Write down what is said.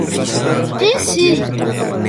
Ti si.